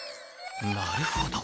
なるほど。